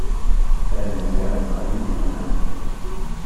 Lfahem ifhem aɣyul iwhem.